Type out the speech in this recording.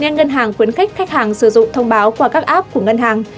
ngân hàng khuyến khích khách hàng sử dụng thông báo qua các app của ngân hàng